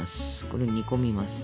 これを煮込みます。